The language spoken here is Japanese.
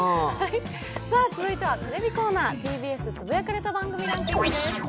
続いてはテレビコーナー、「つぶやかれた番組ランキング」です。